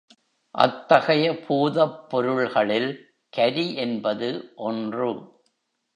அத்தகைய பூதப்பொருள்களில் கரி என்பது ஒன்று.